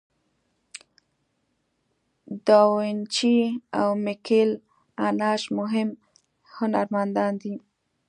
داوینچي او میکل آنژ مهم هنرمندان دي.